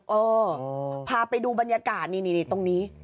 เออพาไปดูบรรยากาศนี่ตรงนี้